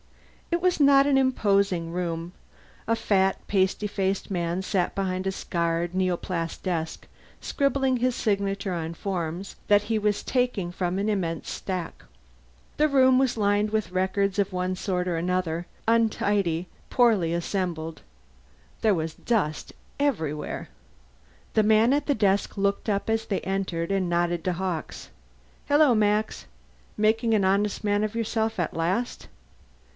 It was not an imposing room. A fat pasty faced man sat behind a scarred neoplast desk, scribbling his signature on forms that he was taking from an immense stack. The room was lined with records of one sort or another, untidy, poorly assembled. There was dust everywhere. The man at the desk looked up as they entered and nodded to Hawkes. "Hello, Max. Making an honest man of yourself at last?"